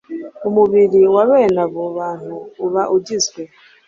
Umubiri wa bene abo bantu uba ugizwe